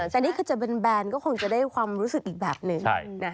แต่นี่คือจะแบนก็คงจะได้ความรู้สึกอีกแบบนึง